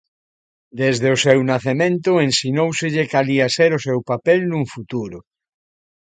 Desde o seu nacemento ensinóuselle cal ía ser o seu papel nun futuro.